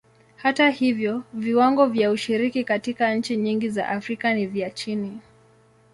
Hata hivyo, viwango vya ushiriki katika nchi nyingi za Afrika ni vya chini.